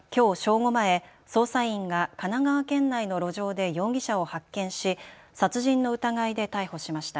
午前、捜査員が神奈川県内の路上で容疑者を発見し殺人の疑いで逮捕しました。